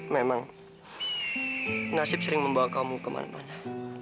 memang nasib sering membawa kamu kemana mana